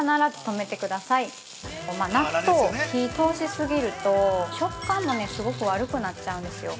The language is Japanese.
◆納豆、火を通しすぎると、食感もね、すごく悪くなっちゃうんですよ。